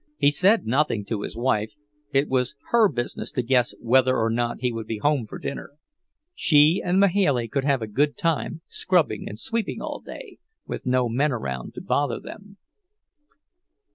He said nothing to his wife; it was her business to guess whether or not he would be home for dinner. She and Mahailey could have a good time scrubbing and sweeping all day, with no men around to bother them.